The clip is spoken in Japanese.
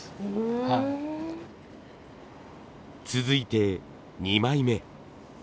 続いて２枚目。